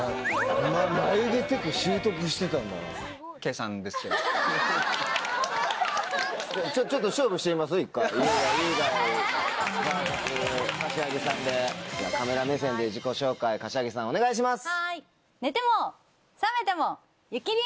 お願いします。